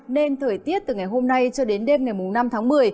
nên thời tiết từ ngày hôm nay cho đến đêm ngày năm tháng một mươi